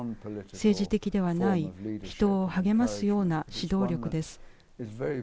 政治的ではない人を励ますような指導力です。